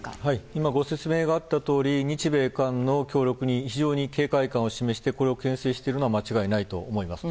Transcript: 今ご説明があったとおり日米韓の協力に非常に警戒感を示して牽制しているのは間違いないと思います。